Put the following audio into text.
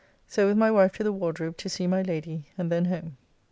So with my wife to the Wardrobe to see my Lady, and then home.